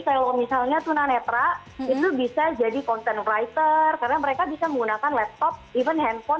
kalau misalnya tuna netra itu bisa jadi content writer karena mereka bisa menggunakan laptop even